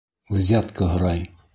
Взятка һорай.